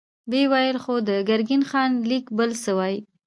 ويې ويل: خو د ګرګين خان ليک بل څه وايي.